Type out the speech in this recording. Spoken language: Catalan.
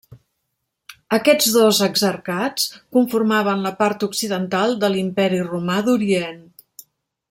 Aquests dos exarcats conformaven la part occidental de l'Imperi Romà d'Orient.